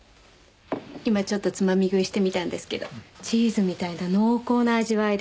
今ちょっとつまみ食いしてみたんですけどチーズみたいな濃厚な味わいでおいしいですね。